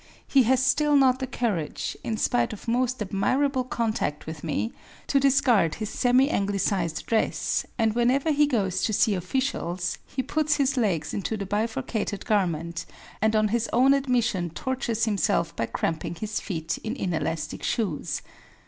He has still not the courage, in spite of most admirable contact with me, to discard his semi anglicised dress and whenever he goes to see officials he puts his legs into the bifurcated garment and on his own admission tortures himself by cramping his feet in inelastic shoes.